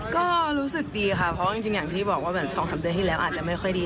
ก็รู้สึกดีค่ะเพราะว่าจริงอย่างที่บอกว่า๒๓เดือนที่แล้วอาจจะไม่ค่อยดี